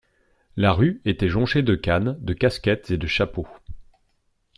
La rue était jonchée de cannes, de casquettes et de chapeaux.